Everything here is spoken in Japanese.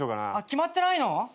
決まってないの？